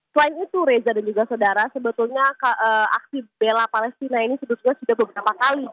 selain itu reza dan juga saudara sebetulnya aksi bela palestina ini sebetulnya sudah beberapa kali